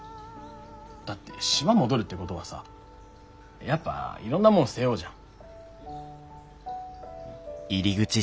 だって島戻るってごどはさやっぱいろんなもん背負うじゃん。